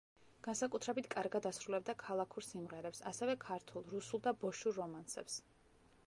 განსაკუთრებით კარგად ასრულებდა ქალაქურ სიმღერებს, ასევე ქართულ, რუსულ და ბოშურ რომანსებს.